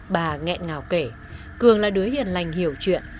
bà nghẹn ngào kể cường là đứa hiền lành hiểu chuyện